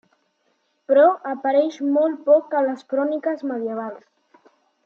Però apareix molt poc a les cròniques medievals.